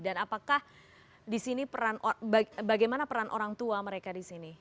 dan apakah disini bagaimana peran orang tua mereka disini